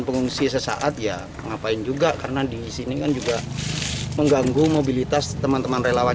pengungsi sesaat ya ngapain juga karena di sini kan juga mengganggu mobilitas teman teman relawan